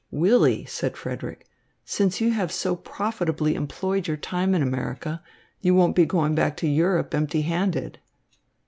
"Willy," said Frederick, "since you have so profitably employed your time in America, you won't be going back to Europe empty handed."